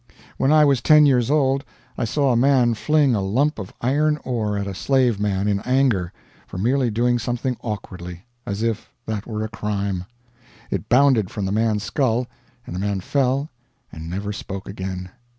When I was ten years old I saw a man fling a lump of iron ore at a slaveman in anger, for merely doing something awkwardly as if that were a crime. It bounded from the man's skull, and the man fell and never spoke again.